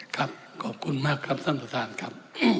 ขอบคุณมากครับท่านประธานครับ